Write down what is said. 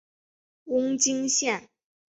瓮津线